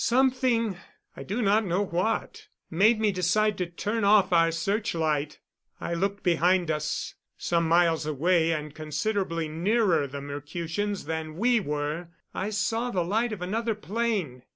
Something I do not know what made me decide to turn off our searchlight. I looked behind us. Some miles away, and considerably nearer the Mercutians than we were, I saw the light of another plane.